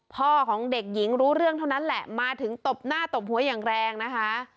พ่อของเด็กหญิงรู้เรื่องเท่านั้นแหละมาถึงตบหน้าตบหัวอย่างแรงนะคะ